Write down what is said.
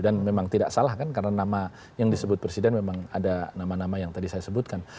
dan memang tidak salah kan karena nama yang disebut presiden memang ada nama nama yang tadi saya sebutkan